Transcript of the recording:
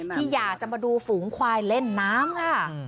ที่อยากจะมาดูฝูงควายเล่นน้ำค่ะ